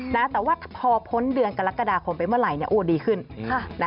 แต่ว่าพอพ้นเดือนกรกฎาคมไปเมื่อไหร่โอ้ดีขึ้น